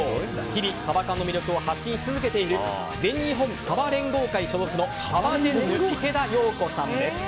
日々、サバ缶の魅力を発信し続けている全日本さば連合会所属のサバジェンヌ、池田陽子さんです。